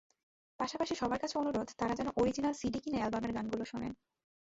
পাশাপাশি সবার কাছে অনুরোধ, তাঁরা যেন অরিজিন্যাল সিডি কিনে অ্যালবামের গানগুলো শোনেন।